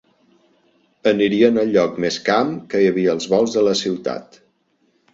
Anirien al lloc més camp que hi havia als volts de la ciutat